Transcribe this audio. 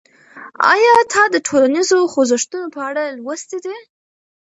آیا تا د ټولنیزو خوځښتونو په اړه لوستي دي؟